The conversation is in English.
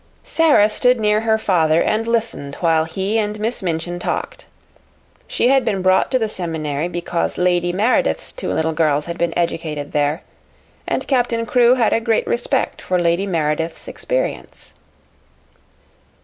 Sara stood near her father and listened while he and Miss Minchin talked. She had been brought to the seminary because Lady Meredith's two little girls had been educated there, and Captain Crewe had a great respect for Lady Meredith's experience.